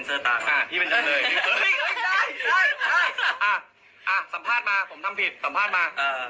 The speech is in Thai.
สัมภาษณ์มาผมทำผิดสัมภาษณ์มา